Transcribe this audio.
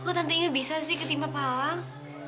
kok tante inge bisa sih ketimpa pa'lang